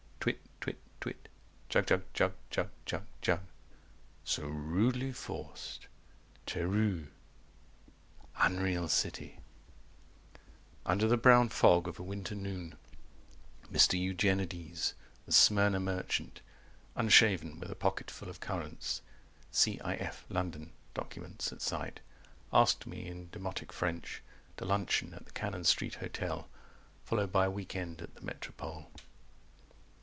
_ Twit twit twit Jug jug jug jug jug jug So rudely forc'd. Tereu Unreal City Under the brown fog of a winter noon Mr. Eugenides, the Smyrna merchant Unshaven, with a pocket full of currants 210 C.i.f. London: documents at sight, Asked me in demotic French To luncheon at the Cannon Street Hotel Followed by a weekend at the Metropole.